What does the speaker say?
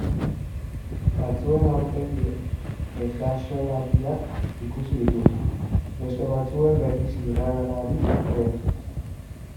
Batzuen aurpegi ezaxolatiak ikusi dituzu, beste batzuen begi zirrararik gabeak.